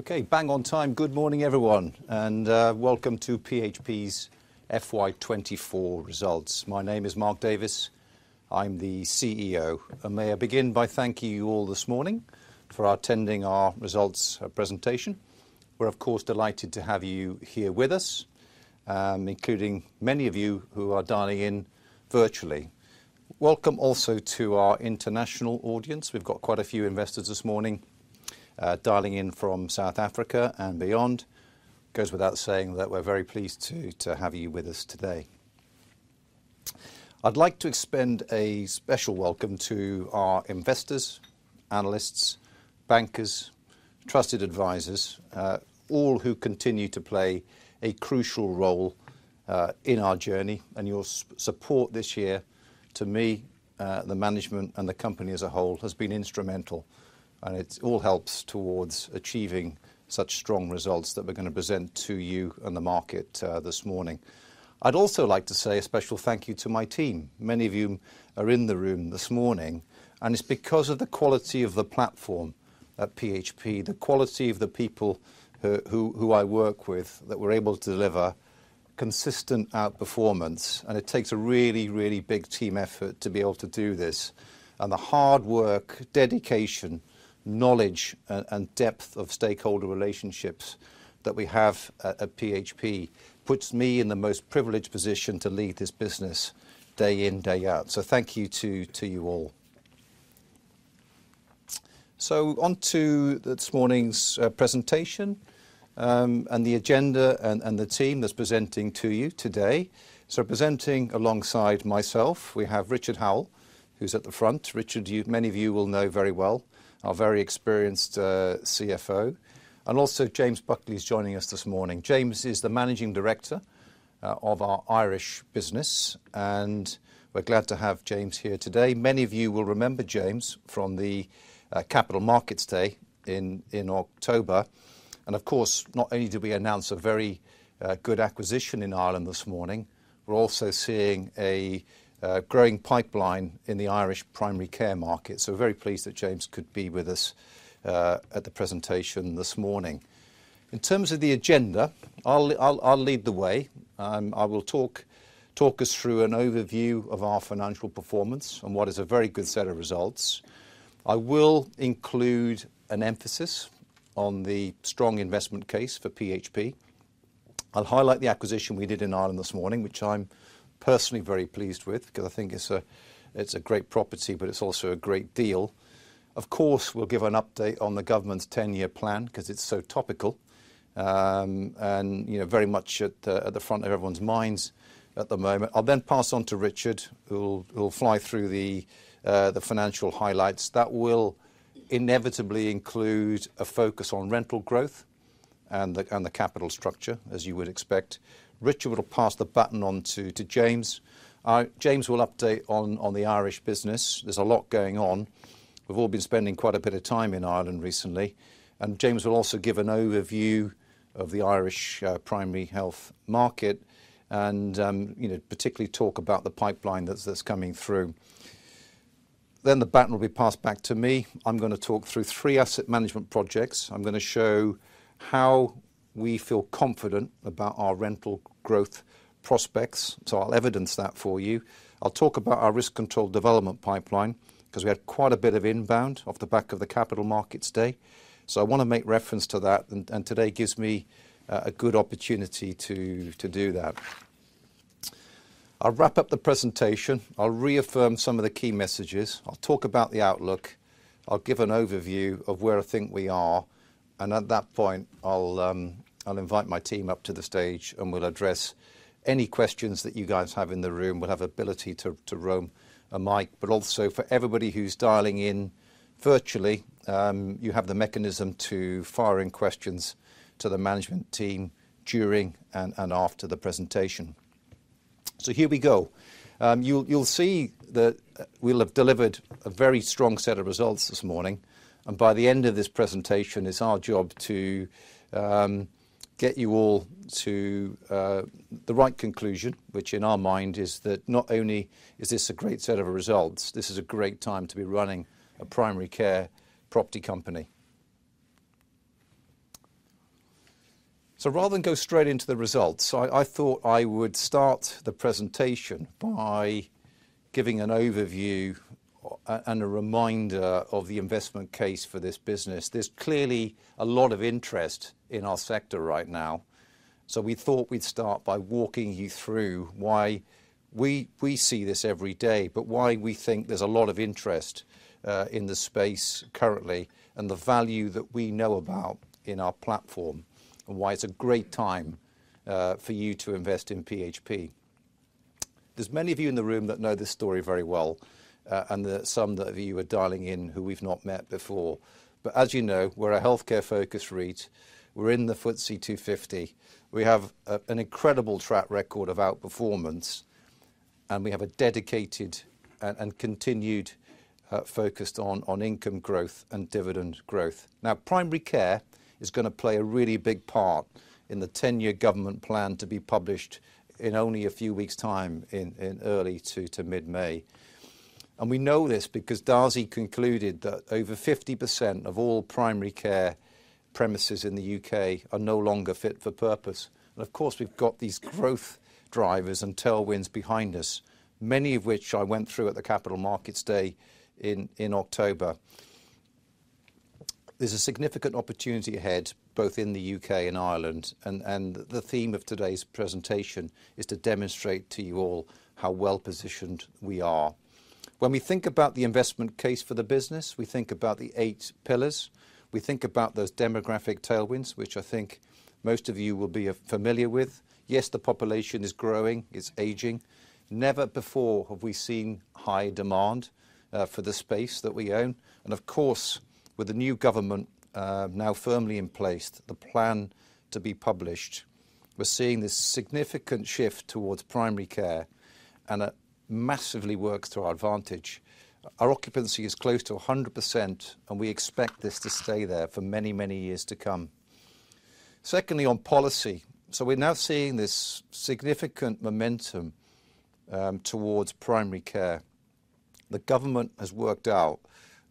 Okay, bang on time. Good morning, everyone, and welcome to PHP's FY24 results. My name is Mark Davies. I'm the CEO. I may begin by thanking you all this morning for attending our results presentation. We're, of course, delighted to have you here with us, including many of you who are dialing in virtually. Welcome also to our international audience. We've got quite a few investors this morning dialing in from South Africa and beyond. It goes without saying that we're very pleased to have you with us today. I'd like to extend a special welcome to our investors, analysts, bankers, trusted advisors, all who continue to play a crucial role in our journey. Your support this year to me, the management, and the company as a whole has been instrumental. It all helps towards achieving such strong results that we're going to present to you and the market this morning. I would also like to say a special thank you to my team, many of whom are in the room this morning. It is because of the quality of the platform at PHP, the quality of the people who I work with, that we're able to deliver consistent outperformance. It takes a really, really big team effort to be able to do this. The hard work, dedication, knowledge, and depth of stakeholder relationships that we have at PHP puts me in the most privileged position to lead this business day in, day out. Thank you to you all. On to this morning's presentation and the agenda and the team that is presenting to you today. Presenting alongside myself, we have Richard Howell, who is at the front. Richard, many of you will know very well, our very experienced CFO. Also James Buckley is joining us this morning. James is the Managing Director of our Irish business. We are glad to have James here today. Many of you will remember James from the Capital Markets Day in October. Not only did we announce a very good acquisition in Ireland this morning, we are also seeing a growing pipeline in the Irish primary care market. We are very pleased that James could be with us at the presentation this morning. In terms of the agenda, I will lead the way. I will talk us through an overview of our financial performance and what is a very good set of results. I will include an emphasis on the strong investment case for PHP. I'll highlight the acquisition we did in Ireland this morning, which I'm personally very pleased with because I think it's a great property, but it's also a great deal. Of course, we'll give an update on the government's 10-year plan because it's so topical and very much at the front of everyone's minds at the moment. I'll then pass on to Richard, who'll fly through the financial highlights. That will inevitably include a focus on rental growth and the capital structure, as you would expect. Richard will pass the baton on to James. James will update on the Irish business. There's a lot going on. We've all been spending quite a bit of time in Ireland recently. James will also give an overview of the Irish primary health market and particularly talk about the pipeline that's coming through. The baton will be passed back to me. I'm going to talk through three asset management projects. I'm going to show how we feel confident about our rental growth prospects. I'll evidence that for you. I'll talk about our risk control development pipeline because we had quite a bit of inbound off the back of the Capital Markets Day. I want to make reference to that. Today gives me a good opportunity to do that. I'll wrap up the presentation. I'll reaffirm some of the key messages. I'll talk about the outlook. I'll give an overview of where I think we are. At that point, I'll invite my team up to the stage and we'll address any questions that you guys have in the room. We'll have the ability to roam a mic. Also, for everybody who's dialing in virtually, you have the mechanism to fire in questions to the management team during and after the presentation. Here we go. You'll see that we've delivered a very strong set of results this morning. By the end of this presentation, it's our job to get you all to the right conclusion, which in our mind is that not only is this a great set of results, this is a great time to be running a primary care property company. Rather than go straight into the results, I thought I would start the presentation by giving an overview and a reminder of the investment case for this business. There's clearly a lot of interest in our sector right now. We thought we'd start by walking you through why we see this every day, but why we think there's a lot of interest in the space currently and the value that we know about in our platform and why it's a great time for you to invest in PHP. There are many of you in the room that know this story very well and some of you are dialing in who we've not met before. As you know, we're a healthcare-focused REIT. We're in the FTSE 250. We have an incredible track record of outperformance. We have a dedicated and continued focus on income growth and dividend growth. Now, primary care is going to play a really big part in the 10-year government plan to be published in only a few weeks' time, in early to mid-May. We know this because Darzi concluded that over 50% of all primary care premises in the U.K. are no longer fit for purpose. Of course, we have these growth drivers and tailwinds behind us, many of which I went through at the Capital Markets Day in October. There is a significant opportunity ahead, both in the U.K. and Ireland. The theme of today's presentation is to demonstrate to you all how well-positioned we are. When we think about the investment case for the business, we think about the eight pillars. We think about those demographic tailwinds, which I think most of you will be familiar with. Yes, the population is growing. It is aging. Never before have we seen high demand for the space that we own. Of course, with the new government now firmly in place, the plan to be published, we're seeing this significant shift towards primary care and a massively work to our advantage. Our occupancy is close to 100%, and we expect this to stay there for many, many years to come. Secondly, on policy, we're now seeing this significant momentum towards primary care. The government has worked out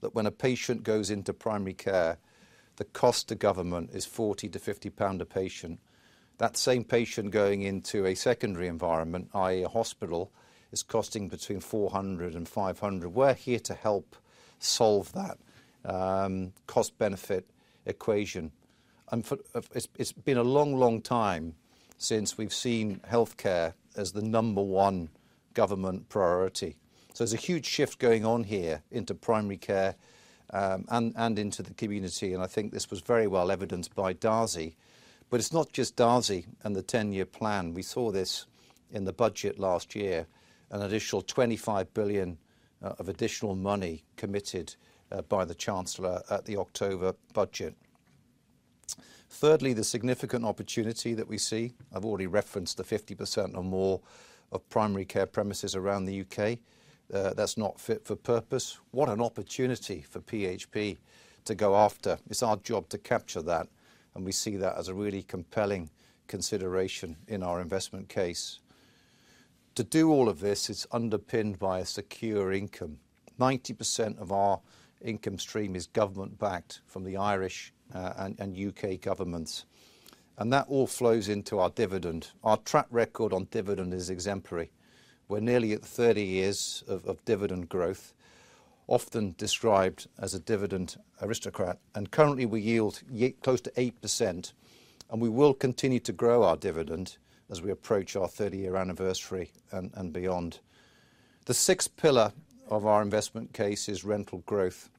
that when a patient goes into primary care, the cost to government is 40-50 pound a patient. That same patient going into a secondary environment, i.e., a hospital, is costing between 400 and 500. We're here to help solve that cost-benefit equation. It has been a long, long time since we've seen healthcare as the number one government priority. There is a huge shift going on here into primary care and into the community. I think this was very well evidenced by Darzi. It is not just Darzi and the 10-year plan. We saw this in the budget last year, an additional 25 billion of additional money committed by the Chancellor at the October budget. Thirdly, the significant opportunity that we see. I have already referenced the 50% or more of primary care premises around the U.K. that is not fit for purpose. What an opportunity for PHP to go after. It is our job to capture that. We see that as a really compelling consideration in our investment case. To do all of this, it is underpinned by a secure income. 90% of our income stream is government-backed from the Irish and U.K. governments. That all flows into our dividend. Our track record on dividend is exemplary. We are nearly at 30 years of dividend growth, often described as a dividend aristocrat. Currently, we yield close to 8%. We will continue to grow our dividend as we approach our 30-year anniversary and beyond. The sixth pillar of our investment case is rental growth.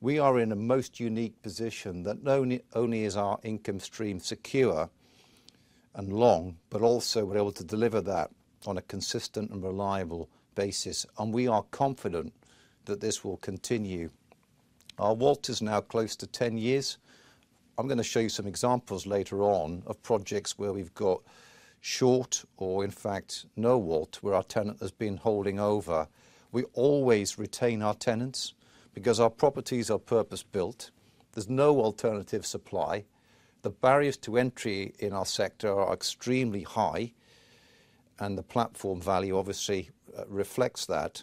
We are in a most unique position that not only is our income stream secure and long, but also we are able to deliver that on a consistent and reliable basis. We are confident that this will continue. Our WALT is now close to 10 years. I am going to show you some examples later on of projects where we have got short or, in fact, no WALT, where our tenant has been holding over. We always retain our tenants because our properties are purpose-built. There is no alternative supply. The barriers to entry in our sector are extremely high. The platform value obviously reflects that.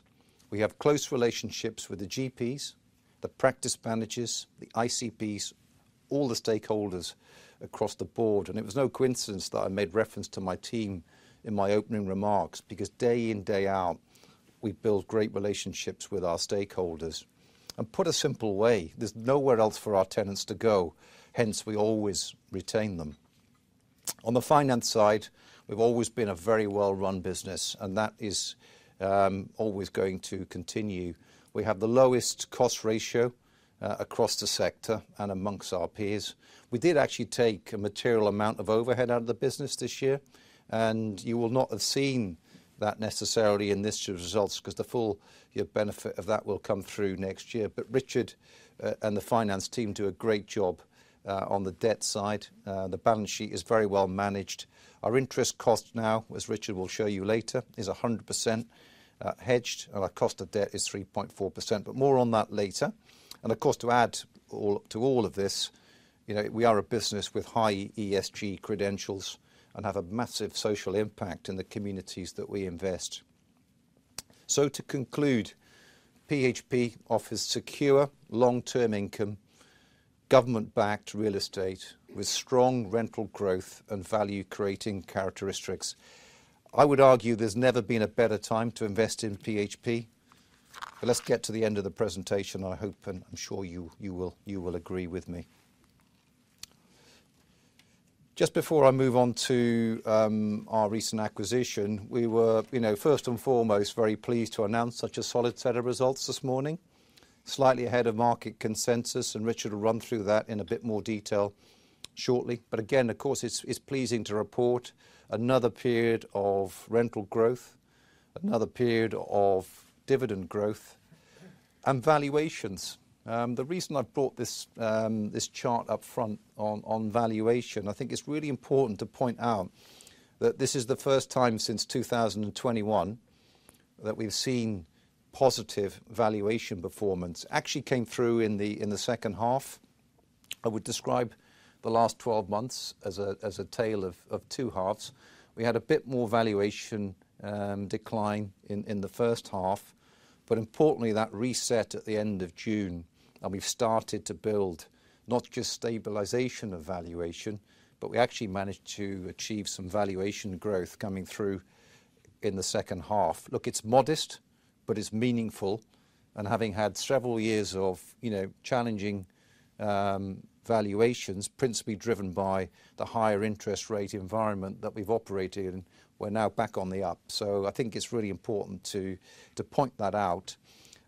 We have close relationships with the GPs, the practice managers, the ICPs, all the stakeholders across the board. It was no coincidence that I made reference to my team in my opening remarks because day in, day out, we build great relationships with our stakeholders. To put it a simple way, there is nowhere else for our tenants to go. Hence, we always retain them. On the finance side, we have always been a very well-run business, and that is always going to continue. We have the lowest cost ratio across the sector and amongst our peers. We did actually take a material amount of overhead out of the business this year. You will not have seen that necessarily in this year's results because the full benefit of that will come through next year. Richard and the finance team do a great job on the debt side. The balance sheet is very well managed. Our interest cost now, as Richard will show you later, is 100% hedged. Our cost of debt is 3.4%. More on that later. Of course, to add to all of this, we are a business with high ESG credentials and have a massive social impact in the communities that we invest. To conclude, PHP offers secure, long-term income, government-backed real estate with strong rental growth and value-creating characteristics. I would argue there's never been a better time to invest in PHP. Let's get to the end of the presentation, I hope, and I'm sure you will agree with me. Just before I move on to our recent acquisition, we were, first and foremost, very pleased to announce such a solid set of results this morning, slightly ahead of market consensus. Richard will run through that in a bit more detail shortly. Of course, it's pleasing to report another period of rental growth, another period of dividend growth, and valuations. The reason I've brought this chart up front on valuation, I think it's really important to point out that this is the first time since 2021 that we've seen positive valuation performance. It actually came through in the second half. I would describe the last 12 months as a tale of two halves. We had a bit more valuation decline in the first half. Importantly, that reset at the end of June. We've started to build not just stabilization of valuation, but we actually managed to achieve some valuation growth coming through in the second half. It's modest, but it's meaningful. Having had several years of challenging valuations, principally driven by the higher interest rate environment that we've operated in, we're now back on the up. I think it's really important to point that out.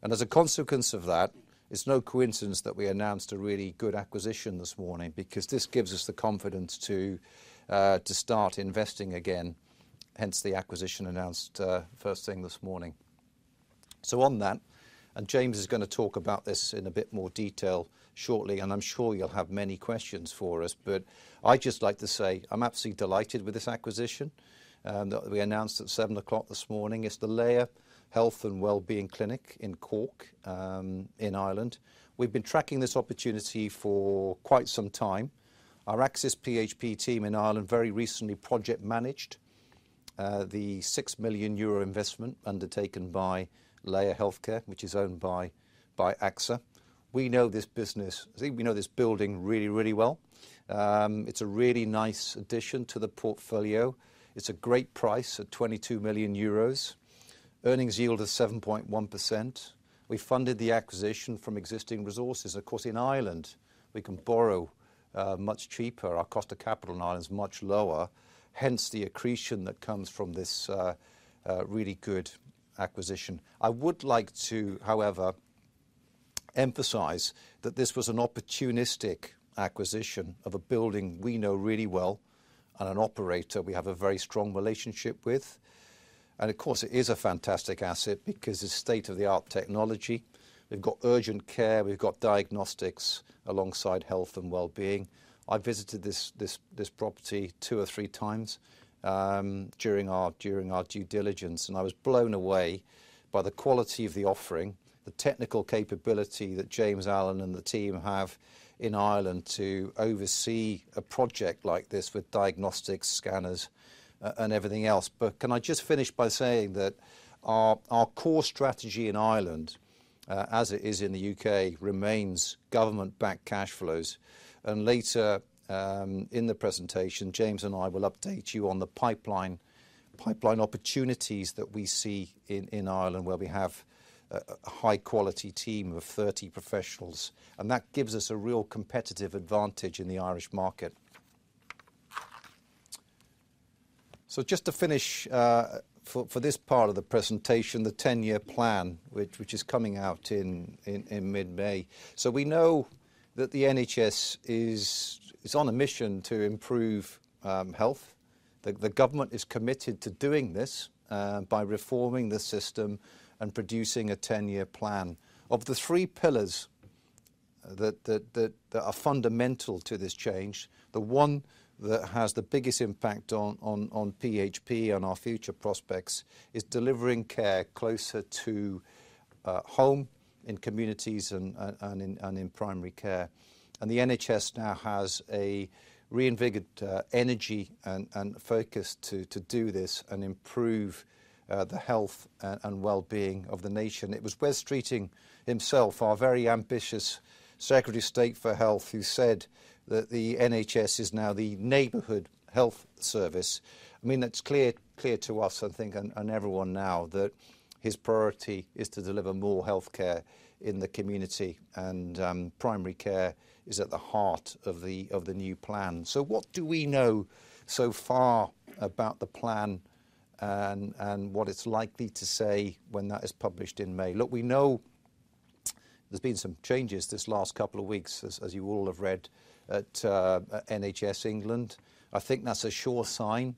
As a consequence of that, it's no coincidence that we announced a really good acquisition this morning because this gives us the confidence to start investing again. Hence, the acquisition announced first thing this morning. On that, James is going to talk about this in a bit more detail shortly. I'm sure you'll have many questions for us. I'd just like to say I'm absolutely delighted with this acquisition that we announced at 7:00 A.M. this morning. It's the Laya Health & Wellbeing Clinic in Cork in Ireland. We've been tracking this opportunity for quite some time. Our PHP team in Ireland very recently project-managed the 6 million euro investment undertaken by Laya Healthcare, which is owned by AXA. We know this business. I think we know this building really, really well. It's a really nice addition to the portfolio. It's a great price at 22 million euros. Earnings yield is 7.1%. We funded the acquisition from existing resources. Of course, in Ireland, we can borrow much cheaper. Our cost of capital in Ireland is much lower. Hence, the accretion that comes from this really good acquisition. I would like to, however, emphasize that this was an opportunistic acquisition of a building we know really well and an operator we have a very strong relationship with. It is a fantastic asset because it's state-of-the-art technology. We've got urgent care. We've got diagnostics alongside health and wellbeing. I visited this property two or three times during our due diligence. I was blown away by the quality of the offering, the technical capability that James Allen and the team have in Ireland to oversee a project like this with diagnostics, scanners, and everything else. I just want to finish by saying that our core strategy in Ireland, as it is in the U.K., remains government-backed cash flows. Later in the presentation, James and I will update you on the pipeline opportunities that we see in Ireland where we have a high-quality team of 30 professionals. That gives us a real competitive advantage in the Irish market. To finish for this part of the presentation, the 10-year plan, which is coming out in mid-May. We know that the NHS is on a mission to improve health. The government is committed to doing this by reforming the system and producing a 10-year plan. Of the three pillars that are fundamental to this change, the one that has the biggest impact on PHP and our future prospects is delivering care closer to home in communities and in primary care. The NHS now has a reinvigorated energy and focus to do this and improve the health and wellbeing of the nation. It was Wes Streeting himself, our very ambitious Secretary of State for Health, who said that the NHS is now the neighborhood health service. I mean, that's clear to us, I think, and everyone now, that his priority is to deliver more healthcare in the community. Primary care is at the heart of the new plan. What do we know so far about the plan and what it's likely to say when that is published in May? Look, we know there's been some changes this last couple of weeks, as you all have read, at NHS England. I think that's a sure sign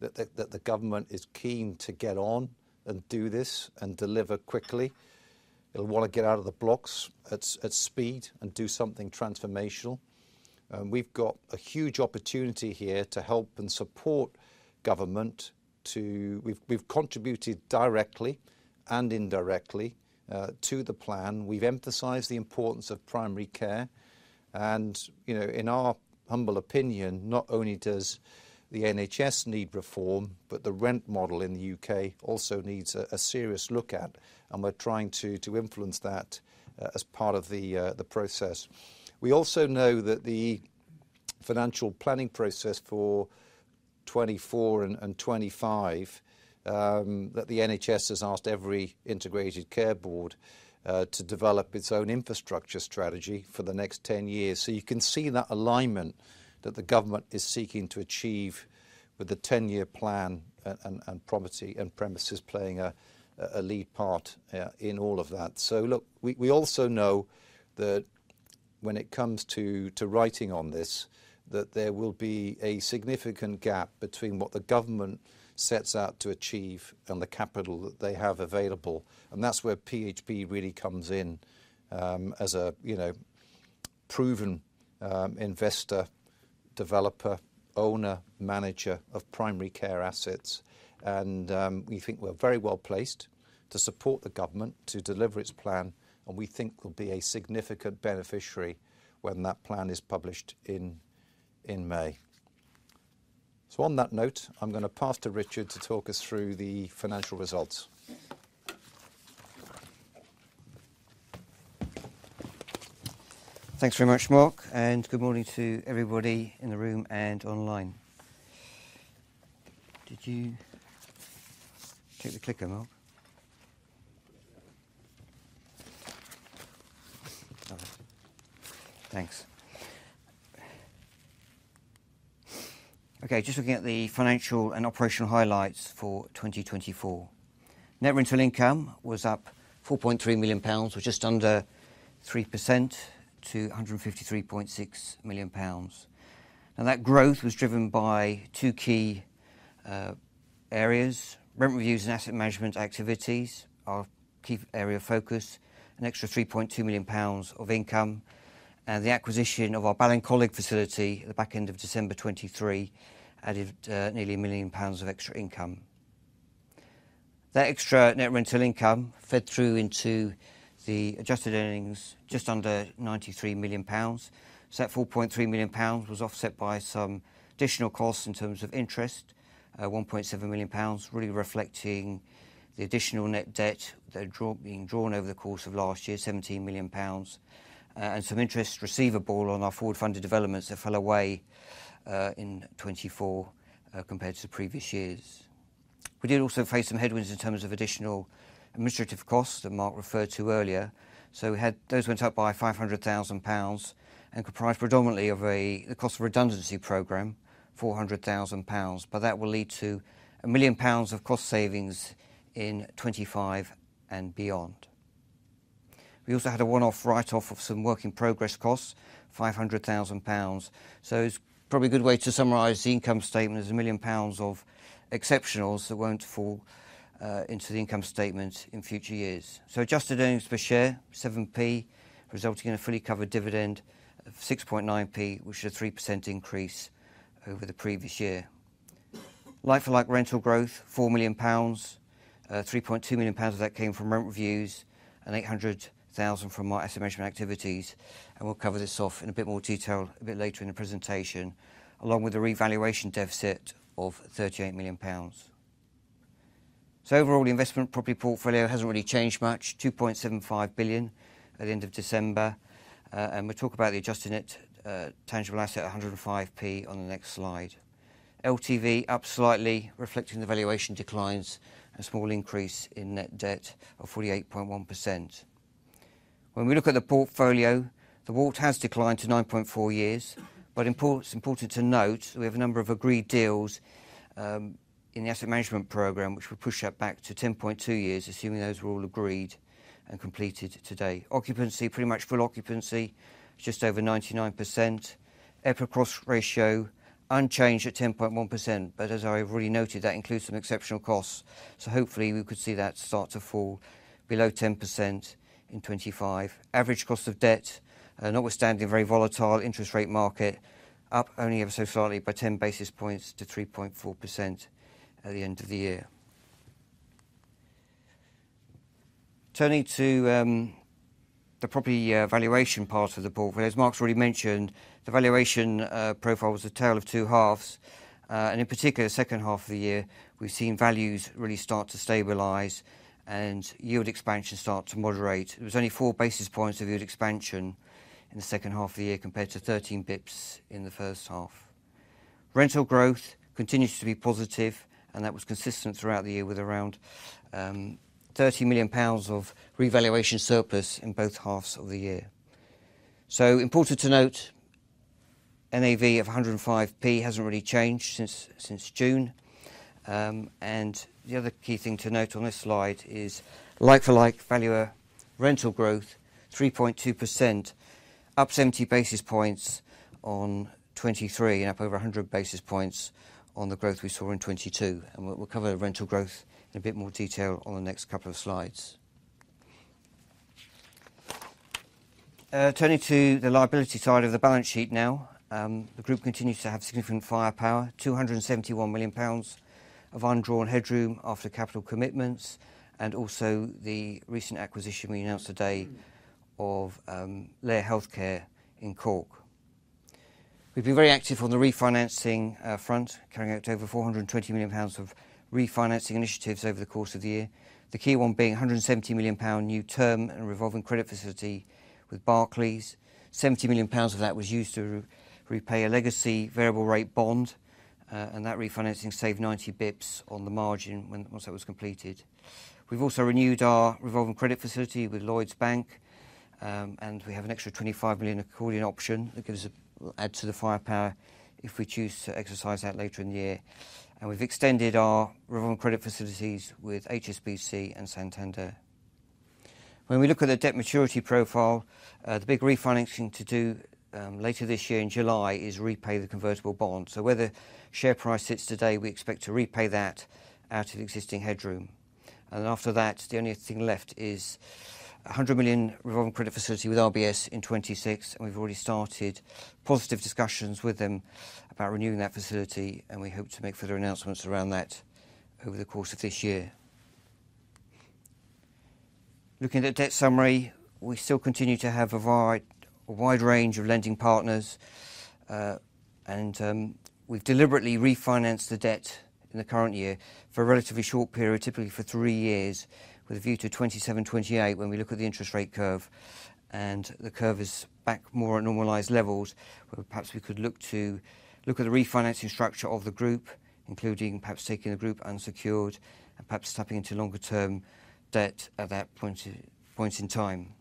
that the government is keen to get on and do this and deliver quickly. It'll want to get out of the blocks at speed and do something transformational. We've got a huge opportunity here to help and support government. We've contributed directly and indirectly to the plan. We've emphasized the importance of primary care. In our humble opinion, not only does the NHS need reform, but the rent model in the U.K. also needs a serious look at. We're trying to influence that as part of the process. We also know that the financial planning process for 2024 and 2025, that the NHS has asked every integrated care board to develop its own infrastructure strategy for the next 10 years. You can see that alignment that the government is seeking to achieve with the 10-year plan and property and premises playing a lead part in all of that. We also know that when it comes to writing on this, there will be a significant gap between what the government sets out to achieve and the capital that they have available. That is where PHP really comes in as a proven investor, developer, owner, manager of primary care assets. We think we are very well placed to support the government to deliver its plan. We think we will be a significant beneficiary when that plan is published in May. On that note, I'm going to pass to Richard to talk us through the financial results. Thanks very much, Mark. Good morning to everybody in the room and online. Did you take the clicker, Mark? Thanks. Okay, just looking at the financial and operational highlights for 2024. Net rental income was up 4.3 million pounds, which is just under 3% to 153.6 million pounds. That growth was driven by two key areas. Rent reviews and asset management activities are a key area of focus. An extra 3.2 million pounds of income. The acquisition of our Balland Colleague facility at the back end of December 2023 added nearly 1 million pounds of extra income. That extra net rental income fed through into the adjusted earnings just under 93 million pounds. That 4.3 million pounds was offset by some additional costs in terms of interest, 1.7 million pounds, really reflecting the additional net debt that had been drawn over the course of last year, 17 million pounds. Some interest receivable on our forward-funded developments fell away in 2024 compared to previous years. We did also face some headwinds in terms of additional administrative costs that Mark referred to earlier. Those went up by 500,000 pounds and comprised predominantly the cost of the redundancy program, 400,000 pounds. That will lead to 1 million pounds of cost savings in 2025 and beyond. We also had a one-off write-off of some work in progress costs, 500,000 pounds. It is probably a good way to summarize the income statement as 1 million pounds of exceptionals that will not fall into the income statement in future years. Adjusted earnings per share, 7p, resulting in a fully covered dividend of 6.9p, which is a 3% increase over the previous year. Like-for-like rental growth, 4 million pounds, 3.2 million pounds of that came from rent reviews and 800,000 from our asset management activities. We will cover this off in a bit more detail a bit later in the presentation, along with a revaluation deficit of 38 million pounds. Overall, the investment property portfolio has not really changed much, 2.75 billion at the end of December. We will talk about the adjusted net tangible asset, 105p, on the next slide. LTV is up slightly, reflecting the valuation declines and a small increase in net debt of 48.1%. When we look at the portfolio, the WALT has declined to 9.4 years. It is important to note that we have a number of agreed deals in the asset management program, which would push that back to 10.2 years, assuming those were all agreed and completed today. Occupancy is pretty much full occupancy, just over 99%. EPRA cost ratio is unchanged at 10.1%. As I already noted, that includes some exceptional costs. Hopefully, we could see that start to fall below 10% in 2025. Average cost of debt, an outstanding very volatile interest rate market, up only ever so slightly by 10 basis points to 3.4% at the end of the year. Turning to the property valuation part of the portfolio, as Mark's already mentioned, the valuation profile was a tale of two halves. In particular, the second half of the year, we've seen values really start to stabilize and yield expansion start to moderate. It was only four basis points of yield expansion in the second half of the year compared to 13 basis points in the first half. Rental growth continues to be positive. That was consistent throughout the year with around 30 million pounds of revaluation surplus in both halves of the year. Important to note, NAV of 105p has not really changed since June. The other key thing to note on this slide is like-for-like value of rental growth, 3.2%, up 70 basis points on 2023 and up over 100 basis points on the growth we saw in 2022. We will cover rental growth in a bit more detail on the next couple of slides. Turning to the liability side of the balance sheet now, the group continues to have significant firepower, 271 million pounds of undrawn headroom after capital commitments and also the recent acquisition we announced today of Laya Healthcare in Cork. We have been very active on the refinancing front, carrying out over 420 million pounds of refinancing initiatives over the course of the year. The key one being 170 million pound new term and revolving credit facility with Barclays. 70 million pounds of that was used to repay a legacy variable-rate bond. That refinancing saved 90 basis points on the margin once it was completed. We have also renewed our revolving credit facility with Lloyds Bank. We have an extra 25 million accordion option that adds to the firepower if we choose to exercise that later in the year. We have extended our revolving credit facilities with HSBC and Santander. When we look at the debt maturity profile, the big refinancing to do later this year in July is repay the convertible bond. Where the share price sits today, we expect to repay that out of the existing headroom. After that, the only thing left is the 100 million revolving credit facility with RBS in 2026. We have already started positive discussions with them about renewing that facility. We hope to make further announcements around that over the course of this year. Looking at the debt summary, we still continue to have a wide range of lending partners. We have deliberately refinanced the debt in the current year for a relatively short period, typically for three years, with a view to 2027, 2028 when we look at the interest rate curve. The curve is back more at normalized levels, where perhaps we could look to look at the refinancing structure of the group, including perhaps taking the group unsecured and perhaps tapping into longer-term debt at that point in time.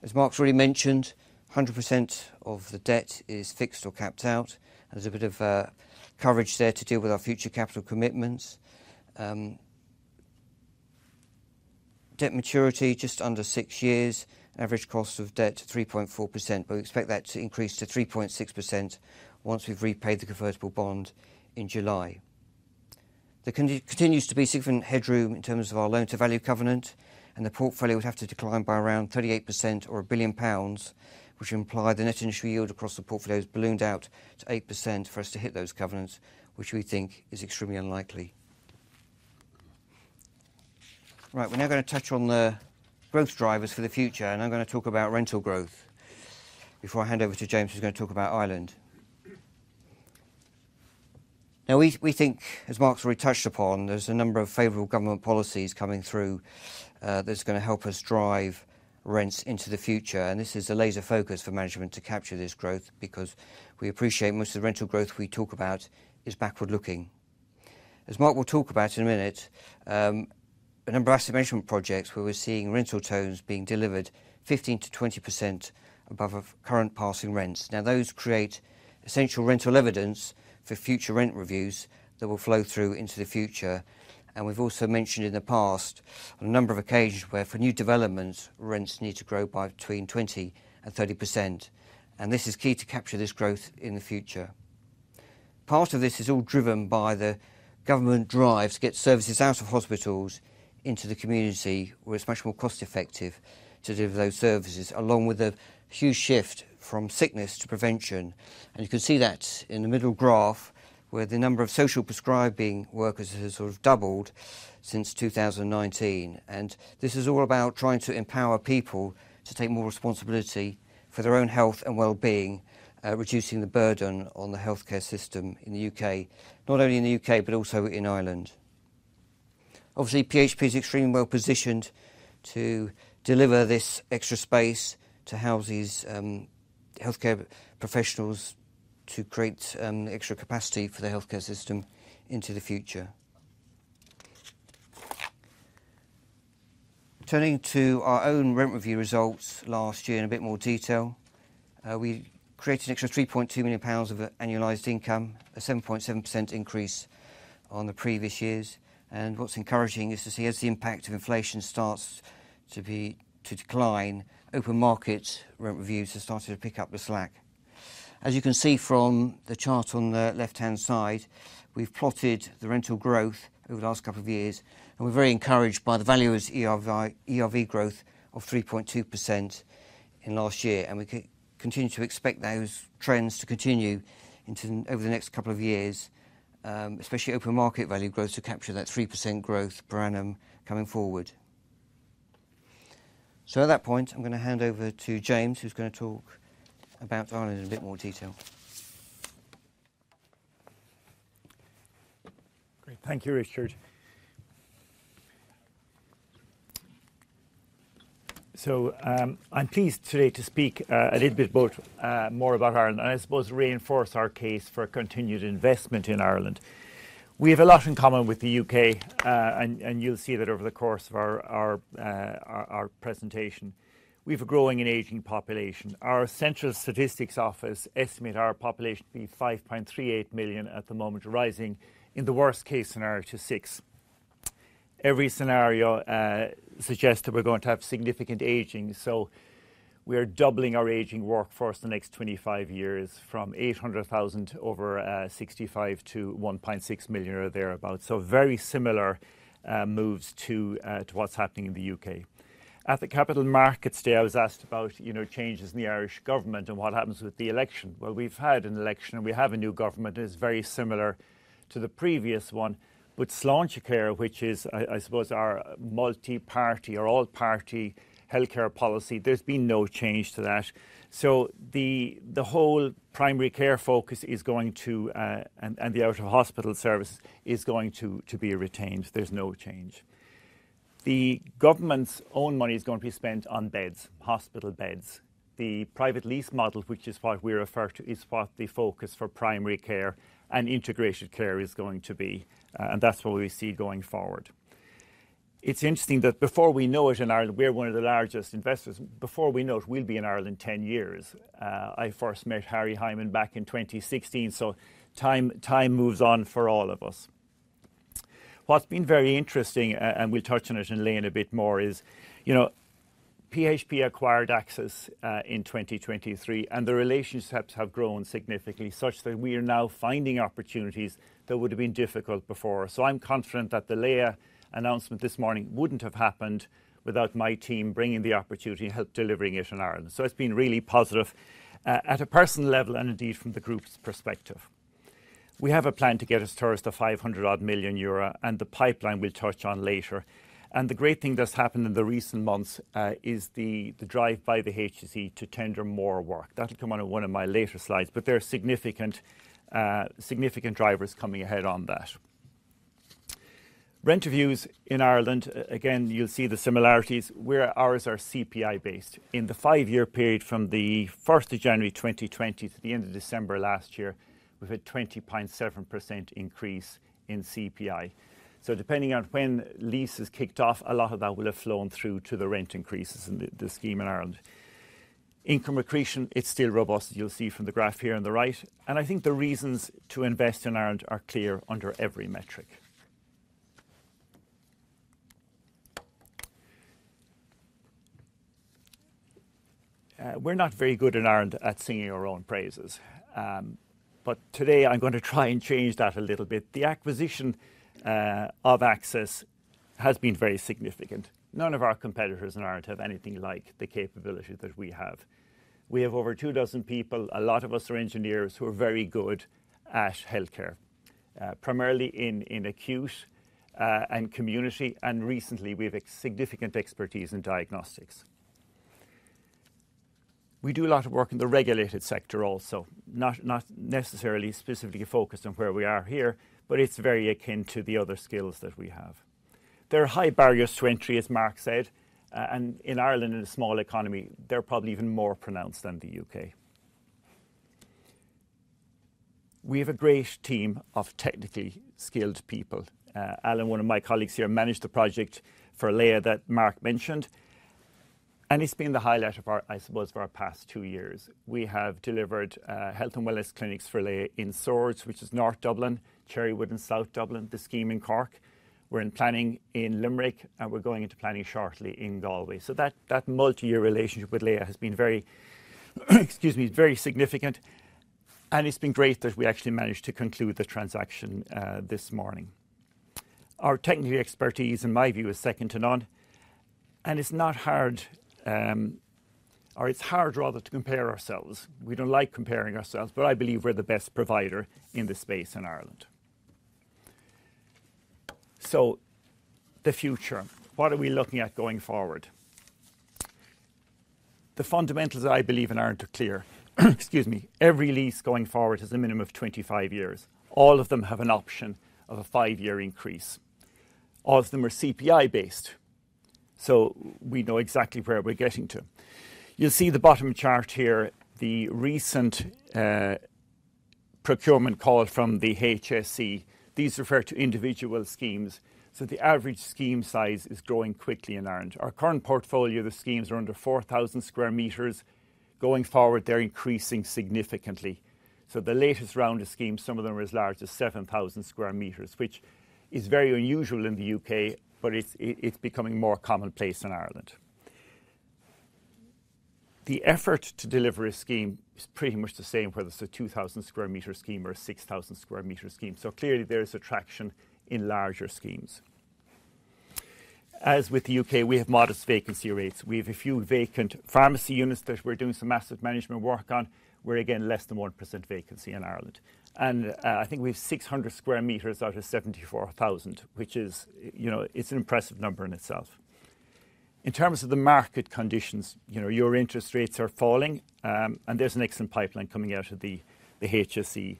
As Mark's already mentioned, 100% of the debt is fixed or capped out. There is a bit of coverage there to deal with our future capital commitments. Debt maturity is just under six years, average cost of debt is 3.4%. We expect that to increase to 3.6% once we have repaid the convertible bond in July. There continues to be significant headroom in terms of our loan-to-value covenant. The portfolio would have to decline by around 38% or 1 billion pounds, which would imply the net initial yield across the portfolio has ballooned out to 8% for us to hit those covenants, which we think is extremely unlikely. Right, we are now going to touch on the growth drivers for the future. I am going to talk about rental growth before I hand over to James, who is going to talk about Ireland. We think, as Mark has already touched upon, there are a number of favorable government policies coming through that are going to help us drive rents into the future. This is a laser focus for management to capture this growth because we appreciate most of the rental growth we talk about is backward-looking. As Mark will talk about in a minute, a number of asset management projects where we're seeing rental terms being delivered 15%-20% above current passing rents. Now, those create essential rental evidence for future rent reviews that will flow through into the future. We've also mentioned in the past on a number of occasions where for new developments, rents need to grow by between 20% and 30%. This is key to capture this growth in the future. Part of this is all driven by the government drive to get services out of hospitals into the community, where it's much more cost-effective to deliver those services, along with a huge shift from sickness to prevention. You can see that in the middle graph, where the number of social prescribing workers has sort of doubled since 2019. This is all about trying to empower people to take more responsibility for their own health and well-being, reducing the burden on the healthcare system in the U.K., not only in the U.K., but also in Ireland. Obviously, PHP is extremely well positioned to deliver this extra space to house these healthcare professionals to create extra capacity for the healthcare system into the future. Turning to our own rent review results last year in a bit more detail, we created an extra 3.2 million pounds of annualized income, a 7.7% increase on the previous years. What's encouraging is to see as the impact of inflation starts to decline, open market rent reviews have started to pick up the slack. As you can see from the chart on the left-hand side, we've plotted the rental growth over the last couple of years. We are very encouraged by the value of ERV growth of 3.2% in last year. We continue to expect those trends to continue over the next couple of years, especially open market value growth to capture that 3% growth per annum coming forward. At that point, I am going to hand over to James, who is going to talk about Ireland in a bit more detail. Great. Thank you, Richard. I am pleased today to speak a little bit more about Ireland and, I suppose, reinforce our case for continued investment in Ireland. We have a lot in common with the U.K. You will see that over the course of our presentation. We have a growing and aging population. Our Central Statistics Office estimates our population to be 5.38 million at the moment, rising in the worst-case scenario to 6 million. Every scenario suggests that we are going to have significant aging. We are doubling our aging workforce in the next 25 years from 800,000 over 65% to 1.6 million or thereabouts. Very similar moves to what is happening in the U.K. At the Capital Markets Day, I was asked about changes in the Irish government and what happens with the election. We have had an election and we have a new government. It's very similar to the previous one. Sloan's care, which is, I suppose, our multi-party or all-party healthcare policy, there's been no change to that. The whole primary care focus is going to, and the out-of-hospital service is going to be retained. There's no change. The government's own money is going to be spent on beds, hospital beds. The private lease model, which is what we refer to, is what the focus for primary care and integrated care is going to be. That's what we see going forward. It's interesting that before we know it in Ireland, we're one of the largest investors. Before we know it, we'll be in Ireland 10 years. I first met Harry Hyman back in 2016. Time moves on for all of us. What's been very interesting, and we'll touch on it in a bit more, is PHP acquired Axis in 2023. The relationships have grown significantly such that we are now finding opportunities that would have been difficult before. I'm confident that the Leya announcement this morning wouldn't have happened without my team bringing the opportunity and help delivering it in Ireland. It's been really positive at a personal level and indeed from the group's perspective. We have a plan to get us towards the 500 million euro, and the pipeline we'll touch on later. The great thing that's happened in the recent months is the drive by the HSE to tender more work. That'll come on one of my later slides. There are significant drivers coming ahead on that. Rent reviews in Ireland, again, you'll see the similarities. Ours are CPI-based. In the five-year period from the 1st of January 2020 to the end of December last year, we've had a 20.7% increase in CPI. Depending on when leases kicked off, a lot of that will have flown through to the rent increases in the scheme in Ireland. Income accretion, it's still robust, as you'll see from the graph here on the right. I think the reasons to invest in Ireland are clear under every metric. We're not very good in Ireland at singing our own praises. Today, I'm going to try and change that a little bit. The acquisition of Axis has been very significant. None of our competitors in Ireland have anything like the capability that we have. We have over two dozen people. A lot of us are engineers who are very good at healthcare, primarily in acute and community. Recently, we have significant expertise in diagnostics. We do a lot of work in the regulated sector also, not necessarily specifically focused on where we are here, but it's very akin to the other skills that we have. There are high barriers to entry, as Mark said. In Ireland, in a small economy, they're probably even more pronounced than the U.K. We have a great team of technically skilled people. Alan, one of my colleagues here, managed the project for Laya that Mark mentioned. It's been the highlight of our, I suppose, for our past two years. We have delivered health and wellness clinics for Laya in Source, which is North Dublin, Cherrywood in South Dublin, the scheme in Cork. We're in planning in Limerick, and we're going into planning shortly in Galway. That multi-year relationship with Laya has been very significant. It has been great that we actually managed to conclude the transaction this morning. Our technical expertise, in my view, is second to none. It is hard, rather, to compare ourselves. We do not like comparing ourselves, but I believe we are the best provider in this space in Ireland. The future, what are we looking at going forward? The fundamentals that I believe in Ireland are clear. Excuse me. Every lease going forward has a minimum of 25 years. All of them have an option of a five-year increase. All of them are CPI-based. We know exactly where we are getting to. You will see the bottom chart here, the recent procurement call from the HSE. These refer to individual schemes. The average scheme size is growing quickly in Ireland. Our current portfolio of the schemes are under 4,000 sq meters. Going forward, they are increasing significantly. The latest round of schemes, some of them are as large as 7,000 sq meters, which is very unusual in the U.K., but it's becoming more commonplace in Ireland. The effort to deliver a scheme is pretty much the same whether it's a 2,000 sq meters scheme or a 6,000 sq meters scheme. Clearly, there is attraction in larger schemes. As with the U.K., we have modest vacancy rates. We have a few vacant pharmacy units that we're doing some asset management work on. We're, again, less than 1% vacancy in Ireland. I think we have 600 sq meters out of 74,000, which is an impressive number in itself. In terms of the market conditions, interest rates are falling. There's an excellent pipeline coming out of the HSE.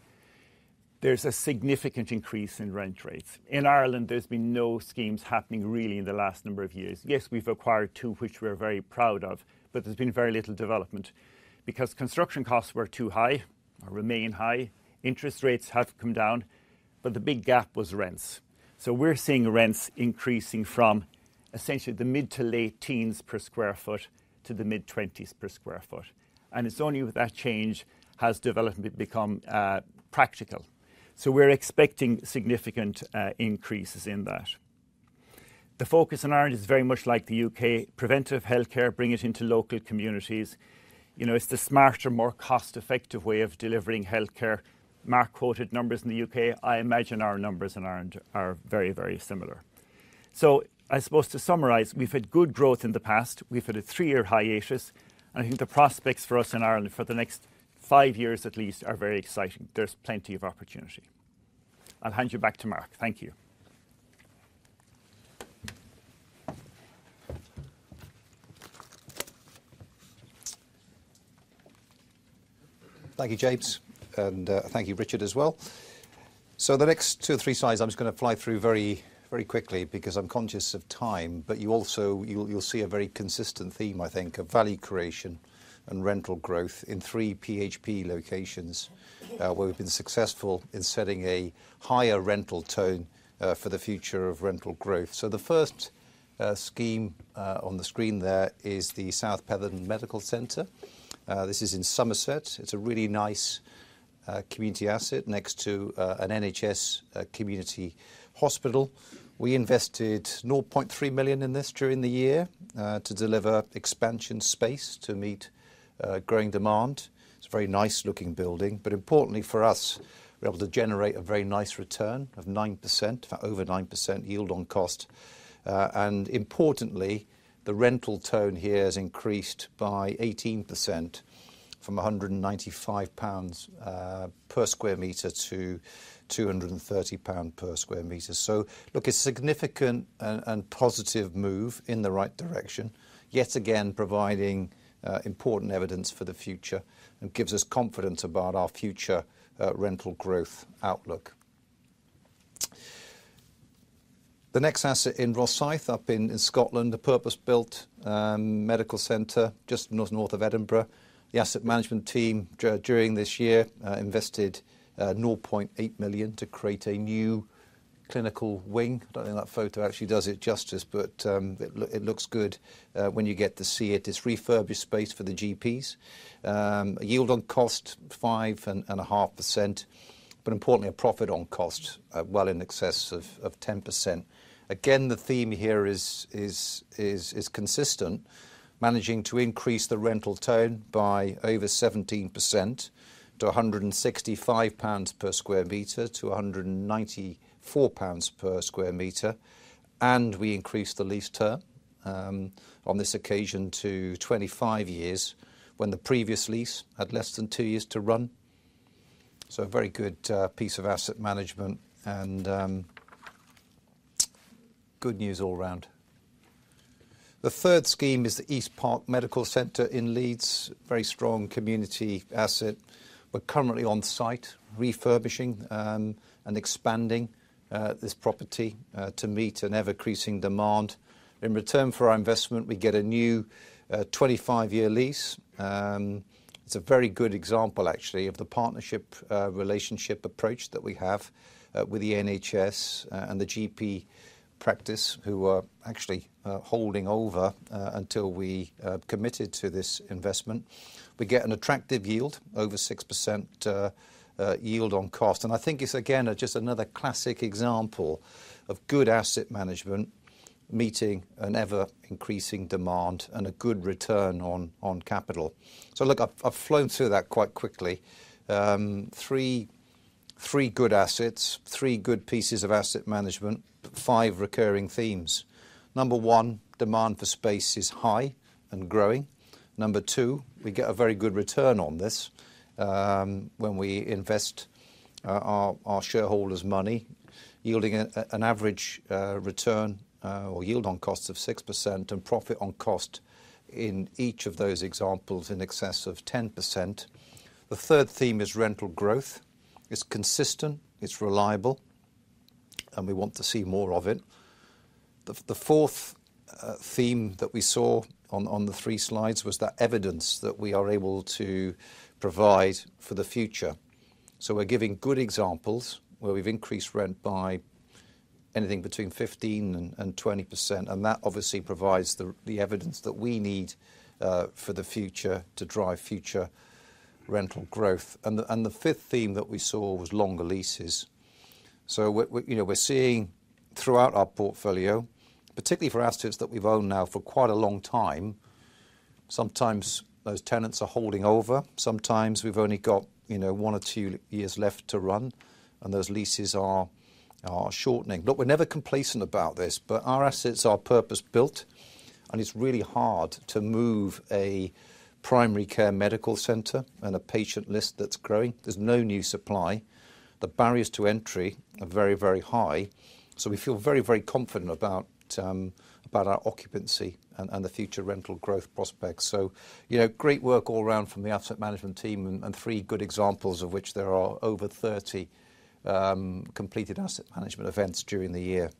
There's a significant increase in rent rates. In Ireland, there's been no schemes happening really in the last number of years. Yes, we've acquired two, which we're very proud of. But there's been very little development because construction costs were too high or remain high. Interest rates have come down. The big gap was rents. We're seeing rents increasing from essentially the mid to late teens per sq ft to the mid 20s per sq ft. It's only with that change has development become practical. We're expecting significant increases in that. The focus in Ireland is very much like the U.K., preventive healthcare, bring it into local communities. It's the smarter, more cost-effective way of delivering healthcare. Mark quoted numbers in the U.K. I imagine our numbers in Ireland are very, very similar. I suppose to summarize, we've had good growth in the past. We've had a three-year hiatus. I think the prospects for us in Ireland for the next five years at least are very exciting. There's plenty of opportunity. I'll hand you back to Mark. Thank you. Thank you, James. Thank you, Richard, as well. The next two or three slides, I'm just going to fly through very quickly because I'm conscious of time. You'll see a very consistent theme, I think, of value creation and rental growth in three PHP locations where we've been successful in setting a higher rental tone for the future of rental growth. The first scheme on the screen there is the South Petherton Medical Center. This is in Somerset. It's a really nice community asset next to an NHS community hospital. We invested 0.3 million in this during the year to deliver expansion space to meet growing demand. It's a very nice-looking building. Importantly for us, we're able to generate a very nice return of 9%, over 9% yield on cost. Importantly, the rental tone here has increased by 18% from 195 pounds per sq meters to 230 pound per sq meters. Look, it is a significant and positive move in the right direction, yet again providing important evidence for the future and gives us confidence about our future rental growth outlook. The next asset in Rosyth, up in Scotland, a purpose-built medical center just north of Edinburgh. The asset management team during this year invested 0.8 million to create a new clinical wing. I do not think that photo actually does it justice, but it looks good when you get to see it. It is refurbished space for the GPs. Yield on cost, 5.5%. Importantly, a profit on cost well in excess of 10%. Again, the theme here is consistent, managing to increase the rental tone by over 17% to 165 pounds per sq meters to 194 pounds per sq meters. We increased the lease term on this occasion to 25 years when the previous lease had less than two years to run. A very good piece of asset management and good news all around. The third scheme is the East Park Medical Center in Leeds, very strong community asset. We are currently on site refurbishing and expanding this property to meet an ever-increasing demand. In return for our investment, we get a new 25-year lease. It is a very good example, actually, of the partnership relationship approach that we have with the NHS and the GP practice who are actually holding over until we committed to this investment. We get an attractive yield, over 6% yield on cost. I think it is, again, just another classic example of good asset management meeting an ever-increasing demand and a good return on capital. I have flown through that quite quickly. Three good assets, three good pieces of asset management, five recurring themes. Number one, demand for space is high and growing. Number two, we get a very good return on this when we invest our shareholders' money, yielding an average return or yield on cost of 6% and profit on cost in each of those examples in excess of 10%. The third theme is rental growth. It is consistent. It is reliable. We want to see more of it. The fourth theme that we saw on the three slides was the evidence that we are able to provide for the future. We are giving good examples where we have increased rent by anything between 15%-20%. That obviously provides the evidence that we need for the future to drive future rental growth. The fifth theme that we saw was longer leases. We're seeing throughout our portfolio, particularly for assets that we've owned now for quite a long time, sometimes those tenants are holding over. Sometimes we've only got one or two years left to run, and those leases are shortening. Look, we're never complacent about this. Our assets are purpose-built, and it's really hard to move a primary care medical center and a patient list that's growing. There's no new supply. The barriers to entry are very, very high. We feel very, very confident about our occupancy and the future rental growth prospects. Great work all around from the asset management team, and three good examples of which there are over 30 completed asset management events during the year.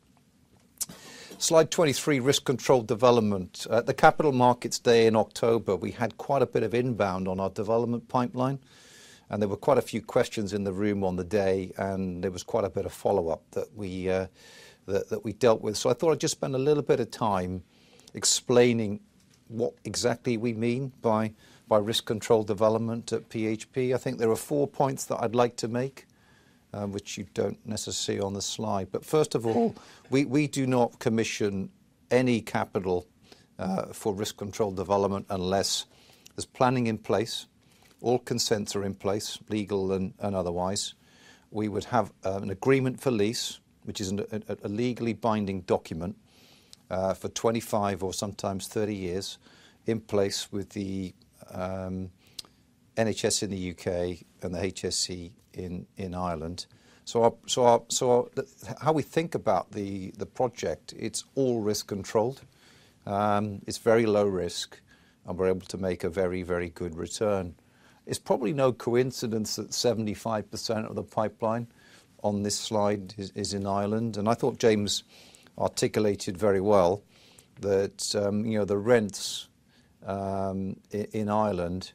Slide 23, risk-controlled development. At the capital markets day in October, we had quite a bit of inbound on our development pipeline. There were quite a few questions in the room on the day. There was quite a bit of follow-up that we dealt with. I thought I'd just spend a little bit of time explaining what exactly we mean by risk-controlled development at PHP. I think there are four points that I'd like to make, which you don't necessarily see on the slide. First of all, we do not commission any capital for risk-controlled development unless there's planning in place. All consents are in place, legal and otherwise. We would have an agreement for lease, which is a legally binding document for 25 or sometimes 30 years in place with the NHS in the U.K. and the HSE in Ireland. How we think about the project, it's all risk-controlled. It's very low risk. We're able to make a very, very good return. It's probably no coincidence that 75% of the pipeline on this slide is in Ireland. I thought James articulated very well that the rents in Ireland,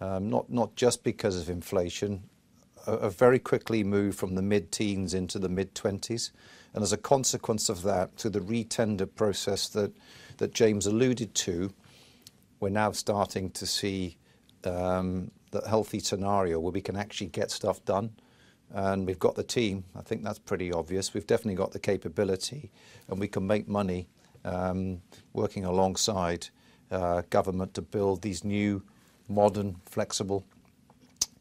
not just because of inflation, have very quickly moved from the mid teens into the mid 20s. As a consequence of that, through the re-tender process that James alluded to, we're now starting to see the healthy scenario where we can actually get stuff done. We've got the team. I think that's pretty obvious. We've definitely got the capability. We can make money working alongside government to build these new, modern, flexible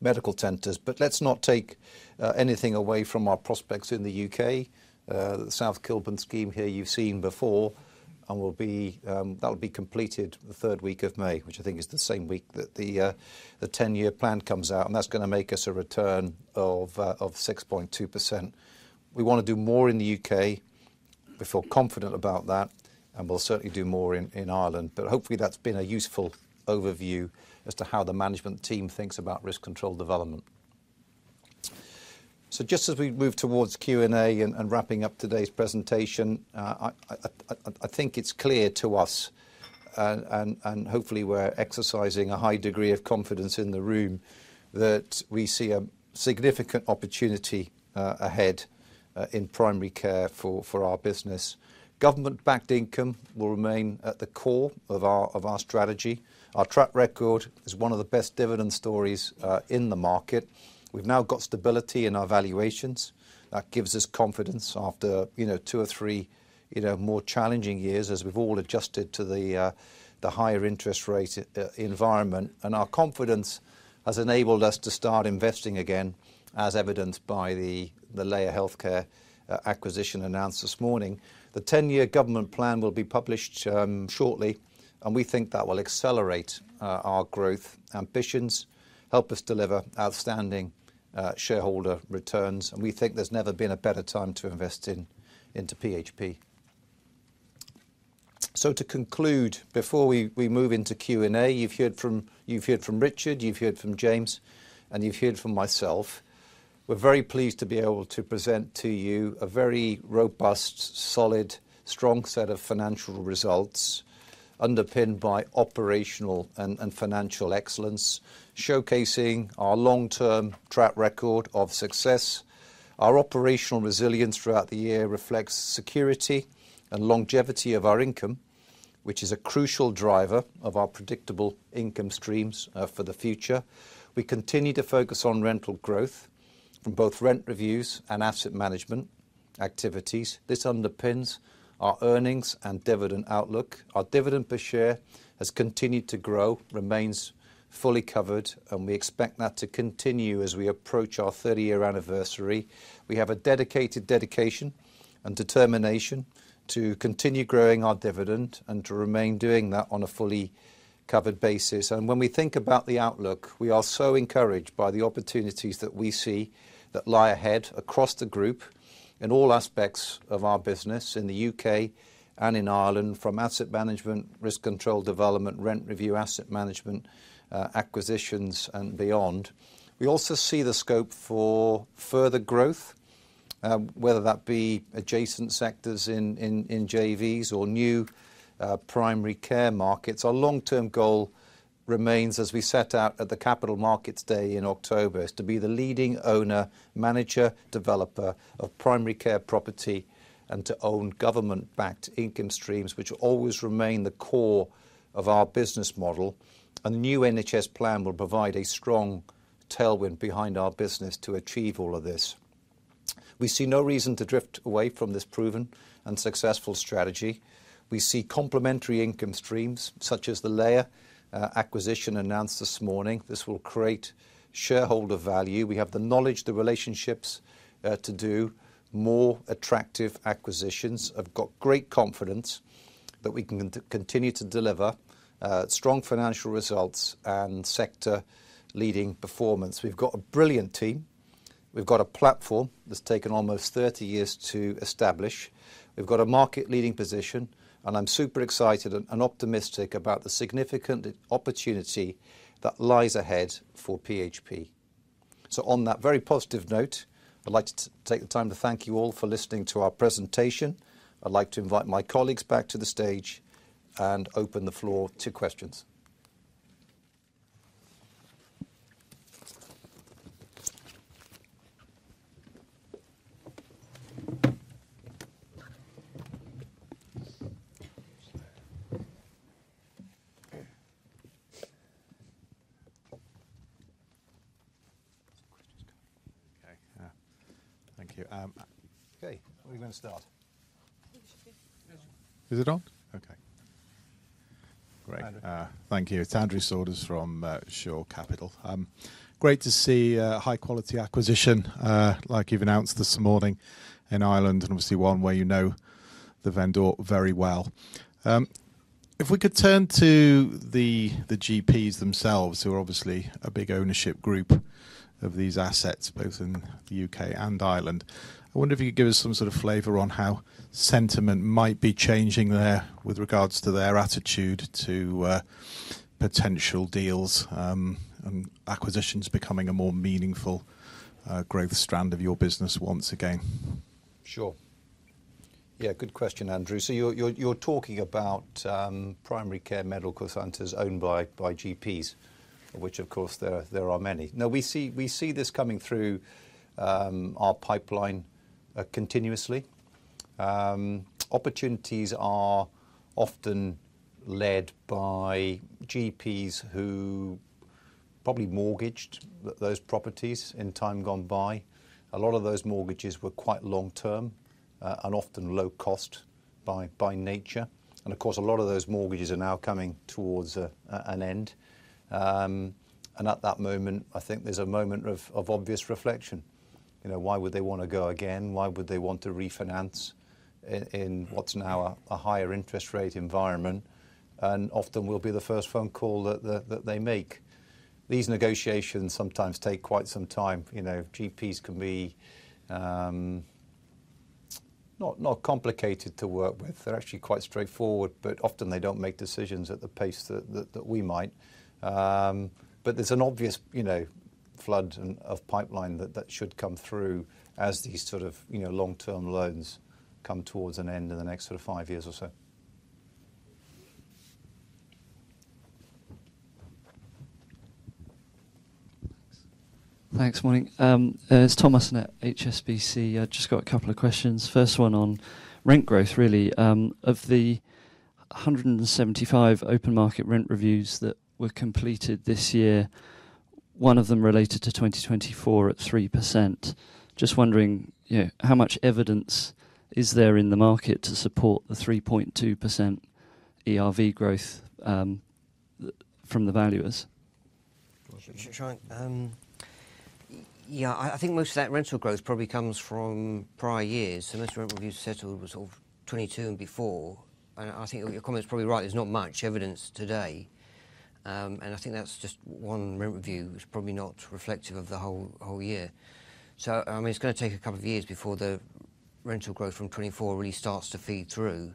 medical centers. Let's not take anything away from our prospects in the U.K. The South Kilburn scheme here you've seen before. That will be completed the third week of May, which I think is the same week that the 10-year plan comes out. That is going to make us a return of 6.2%. We want to do more in the U.K. We feel confident about that. We will certainly do more in Ireland. Hopefully, that has been a useful overview as to how the management team thinks about risk-controlled development. As we move towards Q&A and wrapping up today's presentation, I think it is clear to us, and hopefully, we are exercising a high degree of confidence in the room, that we see a significant opportunity ahead in primary care for our business. Government-backed income will remain at the core of our strategy. Our track record is one of the best dividend stories in the market. We have now got stability in our valuations. That gives us confidence after two or three more challenging years as we have all adjusted to the higher interest rate environment. Our confidence has enabled us to start investing again, as evidenced by the Laya Healthcare acquisition announced this morning. The 10-year government plan will be published shortly. We think that will accelerate our growth ambitions, help us deliver outstanding shareholder returns. We think there's never been a better time to invest into PHP. To conclude, before we move into Q&A, you've heard from Richard. You've heard from James. You've heard from myself. We're very pleased to be able to present to you a very robust, solid, strong set of financial results underpinned by operational and financial excellence, showcasing our long-term track record of success. Our operational resilience throughout the year reflects security and longevity of our income, which is a crucial driver of our predictable income streams for the future. We continue to focus on rental growth from both rent reviews and asset management activities. This underpins our earnings and dividend outlook. Our dividend per share has continued to grow, remains fully covered. We expect that to continue as we approach our 30-year anniversary. We have a dedicated dedication and determination to continue growing our dividend and to remain doing that on a fully covered basis. When we think about the outlook, we are so encouraged by the opportunities that we see that lie ahead across the group in all aspects of our business in the U.K. and in Ireland, from asset management, risk-controlled development, rent review, asset management, acquisitions, and beyond. We also see the scope for further growth, whether that be adjacent sectors in JVs or new primary care markets. Our long-term goal remains, as we set out at the capital markets day in October, to be the leading owner, manager, developer of primary care property and to own government-backed income streams, which always remain the core of our business model. The new NHS plan will provide a strong tailwind behind our business to achieve all of this. We see no reason to drift away from this proven and successful strategy. We see complementary income streams, such as the Laya acquisition announced this morning. This will create shareholder value. We have the knowledge, the relationships to do more attractive acquisitions. I've got great confidence that we can continue to deliver strong financial results and sector-leading performance. We've got a brilliant team. We've got a platform that's taken almost 30 years to establish. We've got a market-leading position. I'm super excited and optimistic about the significant opportunity that lies ahead for PHP. On that very positive note, I'd like to take the time to thank you all for listening to our presentation. I'd like to invite my colleagues back to the stage and open the floor to questions. Thank you. Okay. Where are we going to start? Is it on? Okay. Great. Thank you. It's Andrew Saunders from Shore Capital. Great to see high-quality acquisition, like you've announced this morning, in Ireland, and obviously one where you know the vendor very well. If we could turn to the GPs themselves, who are obviously a big ownership group of these assets, both in the U.K. and Ireland, I wonder if you could give us some sort of flavor on how sentiment might be changing there with regards to their attitude to potential deals and acquisitions becoming a more meaningful growth strand of your business once again. Sure. Yeah. Good question, Andrew. So you're talking about primary care medical centers owned by GPs, of which, of course, there are many. Now, we see this coming through our pipeline continuously. Opportunities are often led by GPs who probably mortgaged those properties in time gone by. A lot of those mortgages were quite long-term and often low-cost by nature. Of course, a lot of those mortgages are now coming towards an end. At that moment, I think there's a moment of obvious reflection. Why would they want to go again? Why would they want to refinance in what is now a higher interest rate environment? Often, we will be the first phone call that they make. These negotiations sometimes take quite some time. GPs can be not complicated to work with. They are actually quite straightforward. Often, they do not make decisions at the pace that we might. There is an obvious flood of pipeline that should come through as these sort of long-term loans come towards an end in the next five years or so. Thanks. Morning. It is Thomas at HSBC. I have just got a couple of questions. First one on rent growth, really. Of the 175 open market rent reviews that were completed this year, one of them related to 2024 at 3%. Just wondering, how much evidence is there in the market to support the 3.2% ERV growth from the valuers? Yeah. I think most of that rental growth probably comes from prior years. Most of the rent reviews settled was all 2022 and before. I think your comment's probably right. There's not much evidence today. I think that's just one rent review which is probably not reflective of the whole year. I mean, it's going to take a couple of years before the rental growth from 2024 really starts to feed through.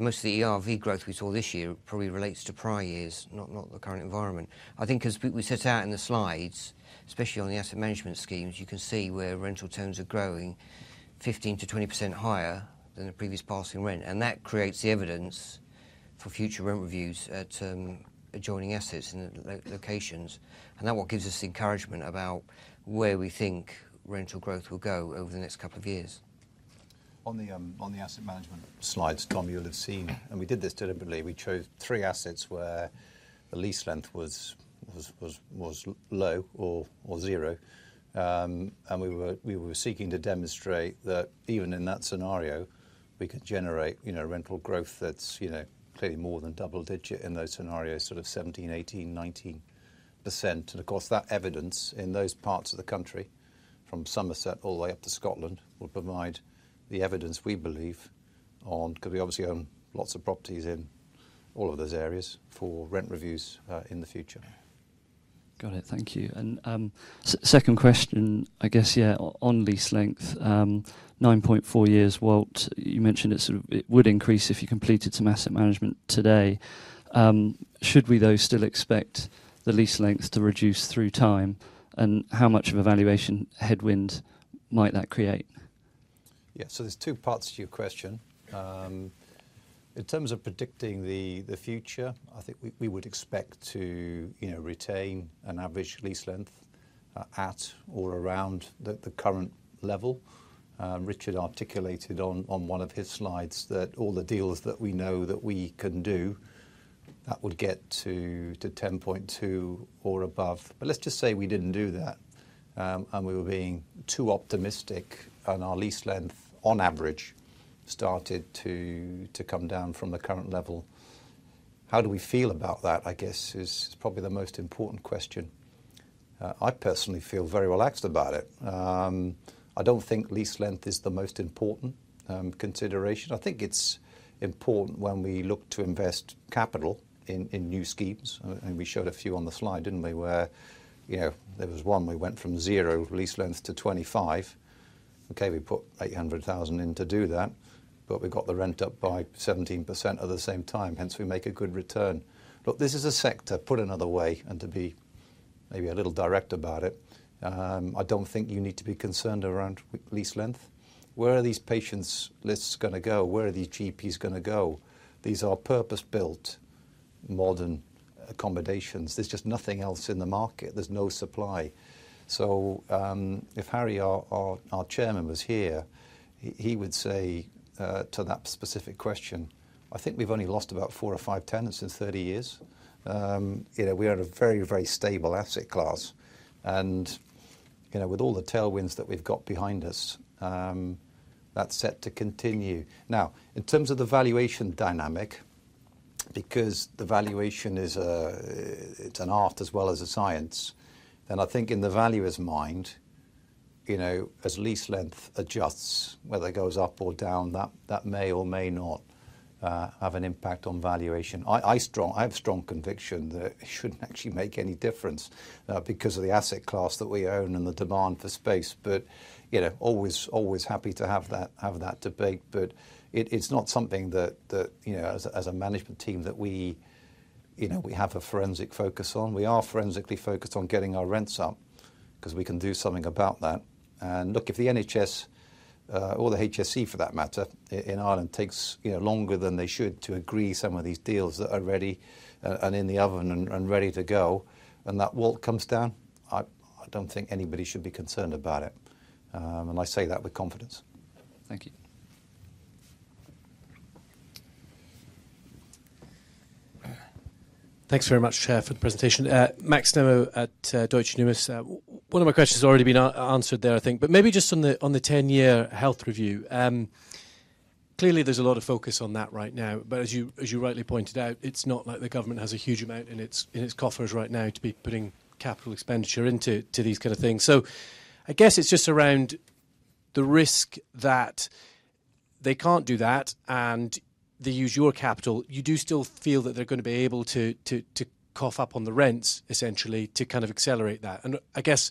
Most of the ERV growth we saw this year probably relates to prior years, not the current environment. I think as we set out in the slides, especially on the asset management schemes, you can see where rental terms are growing 15%-20% higher than the previous passing rent. That creates the evidence for future rent reviews at adjoining assets and locations. That is what gives us encouragement about where we think rental growth will go over the next couple of years. On the asset management slides, Tom, you will have seen, and we did this deliberately. We chose three assets where the lease length was low or zero. We were seeking to demonstrate that even in that scenario, we could generate rental growth that is clearly more than double-digit in those scenarios, sort of 17%, 18%, 19%. Of course, that evidence in those parts of the country from Somerset all the way up to Scotland will provide the evidence we believe on because we obviously own lots of properties in all of those areas for rent reviews in the future. Got it. Thank you. Second question, I guess, yeah, on lease length, 9.4 years' WALT, you mentioned it would increase if you completed some asset management today. Should we, though, still expect the lease length to reduce through time? How much of a valuation headwind might that create? Yeah. There are two parts to your question. In terms of predicting the future, I think we would expect to retain an average lease length at or around the current level. Richard articulated on one of his slides that all the deals that we know that we can do, that would get to 10.2 or above. Let's just say we did not do that and we were being too optimistic and our lease length, on average, started to come down from the current level. How do we feel about that, I guess, is probably the most important question. I personally feel very relaxed about it. I don't think lease length is the most important consideration. I think it's important when we look to invest capital in new schemes. We showed a few on the slide, didn't we, where there was one we went from zero lease length to 25. Okay. We put 800,000 in to do that. We got the rent up by 17% at the same time. Hence, we make a good return. Look, this is a sector put another way and to be maybe a little direct about it, I don't think you need to be concerned around lease length. Where are these patients' lists going to go? Where are these GPs going to go? These are purpose-built modern accommodations. There's just nothing else in the market. There's no supply. If Harry, our Chairman, was here, he would say to that specific question, "I think we've only lost about four or five tenants in 30 years. We're in a very, very stable asset class. With all the tailwinds that we've got behind us, that's set to continue." In terms of the valuation dynamic, because the valuation is an art as well as a science, I think in the valuer's mind, as lease length adjusts, whether it goes up or down, that may or may not have an impact on valuation. I have a strong conviction that it shouldn't actually make any difference because of the asset class that we own and the demand for space. Always happy to have that debate. It's not something that, as a management team, we have a forensic focus on. We are forensically focused on getting our rents up because we can do something about that. Look, if the NHS or the HSE, for that matter, in Ireland takes longer than they should to agree some of these deals that are ready and in the oven and ready to go, and that WALT comes down, I do not think anybody should be concerned about it. I say that with confidence. Thank you. Thanks very much, Chair, for the presentation. Max Nimmo at Deutsche Numis. One of my questions has already been answered there, I think. Maybe just on the 10-year health review. Clearly, there is a lot of focus on that right now. As you rightly pointed out, it is not like the government has a huge amount in its coffers right now to be putting capital expenditure into these kind of things. I guess it's just around the risk that they can't do that and they use your capital. You do still feel that they're going to be able to cough up on the rents, essentially, to kind of accelerate that. I guess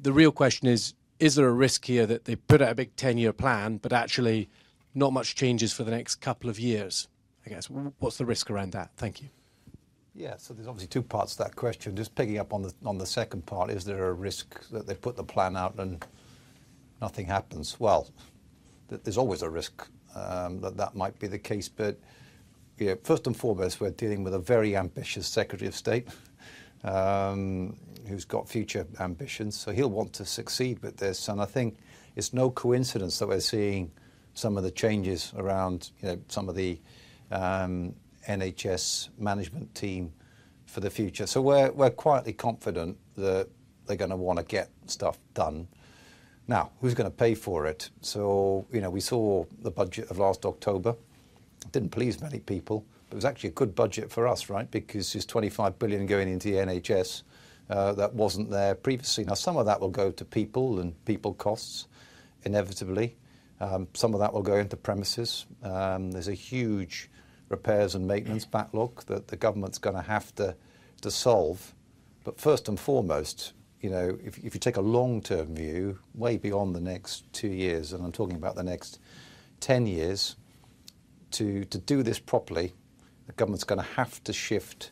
the real question is, is there a risk here that they put out a big 10-year plan, but actually not much changes for the next couple of years? I guess what's the risk around that? Thank you. Yes. There's obviously two parts to that question. Just picking up on the second part, is there a risk that they put the plan out and nothing happens? There's always a risk that that might be the case. First and foremost, we're dealing with a very ambitious Secretary of State who's got future ambitions. He'll want to succeed with this. I think it's no coincidence that we're seeing some of the changes around some of the NHS management team for the future. We're quietly confident that they're going to want to get stuff done. Now, who's going to pay for it? We saw the budget of last October. It didn't please many people. It was actually a good budget for us, right? Because there's 25 billion going into the NHS that wasn't there previously. Some of that will go to people and people costs, inevitably. Some of that will go into premises. There's a huge repairs and maintenance backlog that the government's going to have to solve. First and foremost, if you take a long-term view, way beyond the next two years, and I'm talking about the next 10 years, to do this properly, the government's going to have to shift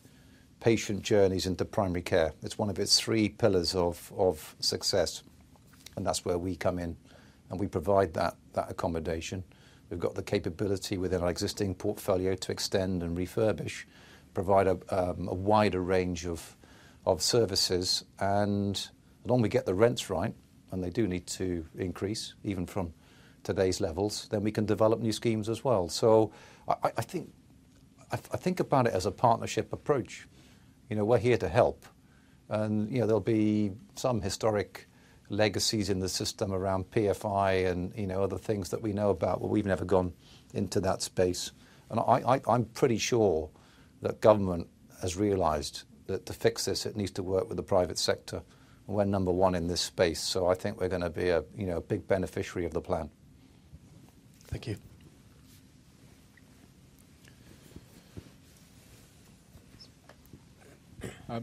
patient journeys into primary care. It's one of its three pillars of success. That's where we come in. We provide that accommodation. We've got the capability within our existing portfolio to extend and refurbish, provide a wider range of services. When we get the rents right, and they do need to increase even from today's levels, then we can develop new schemes as well. I think about it as a partnership approach. We're here to help. There will be some historic legacies in the system around PFI and other things that we know about, but we've never gone into that space. I'm pretty sure that government has realized that to fix this, it needs to work with the private sector. We're number one in this space. I think we're going to be a big beneficiary of the plan. Thank you.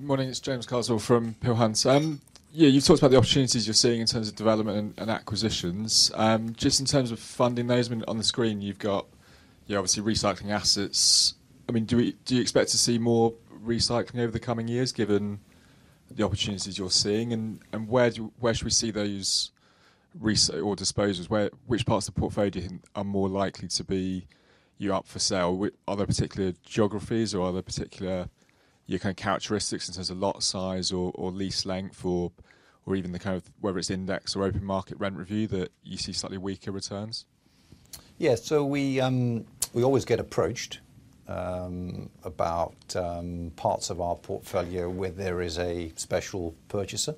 Morning. It's James Carswell from Peel Hunt. Yeah. You've talked about the opportunities you're seeing in terms of development and acquisitions. Just in terms of funding, those on the screen, you've got, obviously, recycling assets. I mean, do you expect to see more recycling over the coming years given the opportunities you're seeing? And where should we see those disposals? Which parts of the portfolio are more likely to be up for sale? Are there particular geographies or are there particular characteristics in terms of lot size or lease length or even the kind of, whether it's index or open market rent review, that you see slightly weaker returns? Yeah. We always get approached about parts of our portfolio where there is a special purchaser.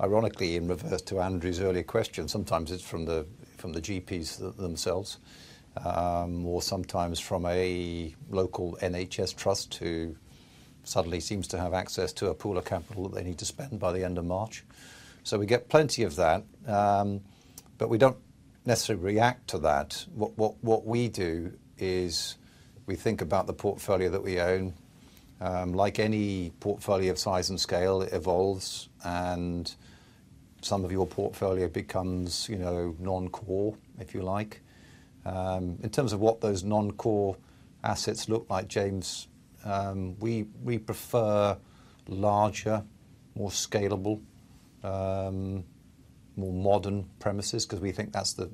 Ironically, in reverse to Andrew's earlier question, sometimes it's from the GPs themselves or sometimes from a local NHS trust who suddenly seems to have access to a pool of capital that they need to spend by the end of March. We get plenty of that. We don't necessarily react to that. What we do is we think about the portfolio that we own. Like any portfolio of size and scale, it evolves. Some of your portfolio becomes non-core, if you like. In terms of what those non-core assets look like, James, we prefer larger, more scalable, more modern premises because we think that's the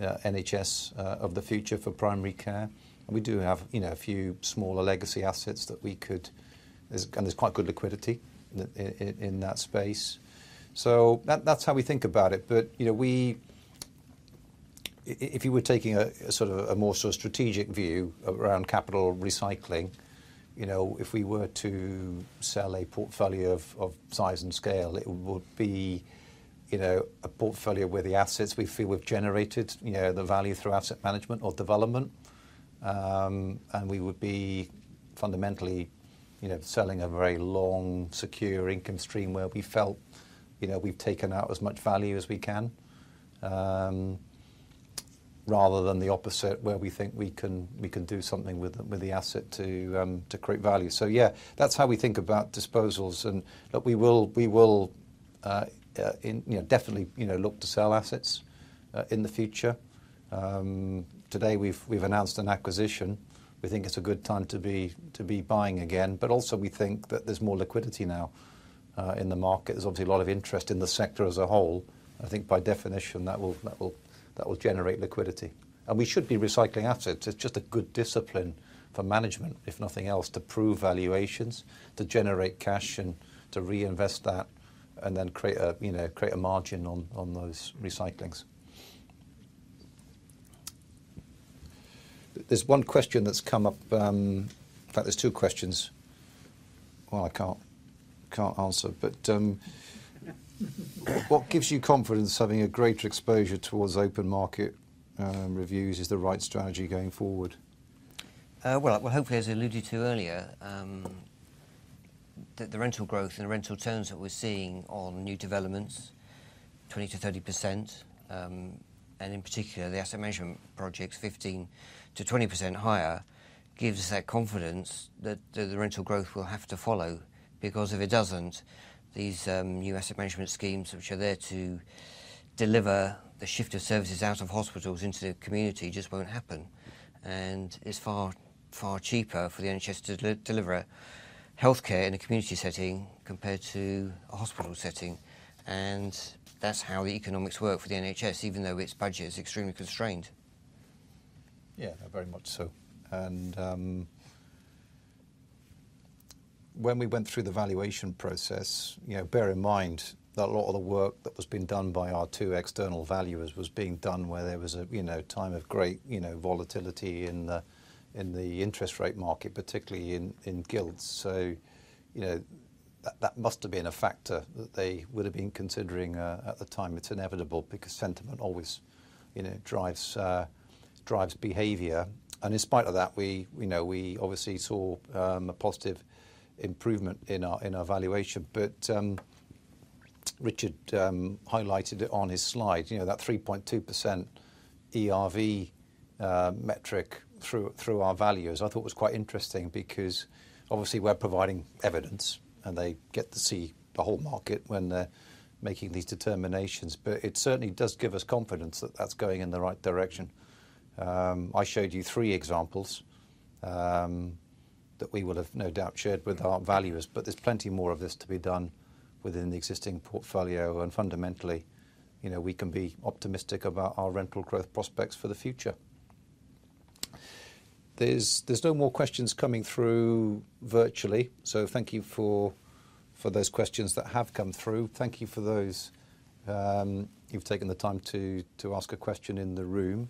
NHS of the future for primary care. We do have a few smaller legacy assets that we could, and there's quite good liquidity in that space. That is how we think about it. If you were taking a more sort of strategic view around capital recycling, if we were to sell a portfolio of size and scale, it would be a portfolio where the assets we feel we've generated the value through asset management or development. We would be fundamentally selling a very long, secure income stream where we felt we've taken out as much value as we can, rather than the opposite where we think we can do something with the asset to create value. That is how we think about disposals. We will definitely look to sell assets in the future. Today, we've announced an acquisition. We think it's a good time to be buying again. We think that there's more liquidity now in the market. There's obviously a lot of interest in the sector as a whole. I think by definition, that will generate liquidity. We should be recycling assets. It's just a good discipline for management, if nothing else, to prove valuations, to generate cash, and to reinvest that, and then create a margin on those recyclings. There's one question that's come up. In fact, there's two questions. I can't answer. What gives you confidence having a greater exposure towards open market reviews is the right strategy going forward? Hopefully, as I alluded to earlier, the rental growth and the rental terms that we're seeing on new developments, 20%-30%, and in particular, the asset management projects, 15%-20% higher, gives us that confidence that the rental growth will have to follow. Because if it doesn't, these new asset management schemes, which are there to deliver the shift of services out of hospitals into the community, just won't happen. It is far cheaper for the NHS to deliver healthcare in a community setting compared to a hospital setting. That is how the economics work for the NHS, even though its budget is extremely constrained. Yeah, very much so. When we went through the valuation process, bear in mind that a lot of the work that was being done by our two external valuers was being done where there was a time of great volatility in the interest rate market, particularly in gilts. That must have been a factor that they would have been considering at the time. It is inevitable because sentiment always drives behavior. In spite of that, we obviously saw a positive improvement in our valuation. Richard highlighted it on his slide, that 3.2% ERV metric through our valuers. I thought it was quite interesting because, obviously, we're providing evidence, and they get to see the whole market when they're making these determinations. It certainly does give us confidence that that's going in the right direction. I showed you three examples that we will have no doubt shared with our valuers. There's plenty more of this to be done within the existing portfolio. Fundamentally, we can be optimistic about our rental growth prospects for the future. There are no more questions coming through virtually. Thank you for those questions that have come through. Thank you for those who've taken the time to ask a question in the room.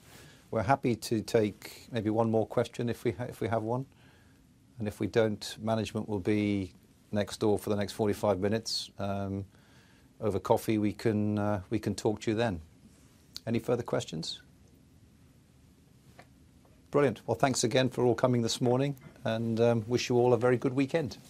We're happy to take maybe one more question if we have one. If we do not, management will be next door for the next 45 minutes. Over coffee, we can talk to you then. Any further questions? Brilliant. Thank you again for all coming this morning. I wish you all a very good weekend.